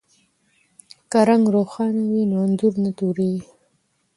که رنګ روښانه وي نو انځور نه توریږي.